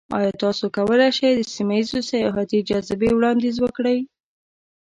ایا تاسو کولی شئ د سیمه ایزو سیاحتي جاذبې وړاندیز وکړئ؟